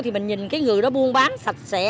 thì mình nhìn cái người đó buôn bán sạch sẽ